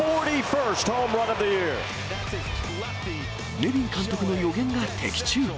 ネビン監督の予言が的中。